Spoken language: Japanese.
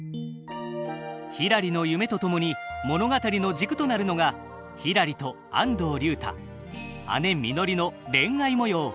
ひらりの夢と共に物語の軸となるのがひらりと安藤竜太姉みのりの恋愛模様。